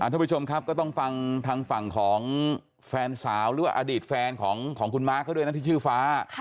ทุกผู้ชมครับก็ต้องฟังทางฝั่งของแฟนสาวหรือว่าอดีตแฟนของคุณมาร์คเขาด้วยนะที่ชื่อฟ้า